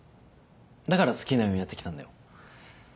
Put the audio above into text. だから好きなようにやってきたんだよ。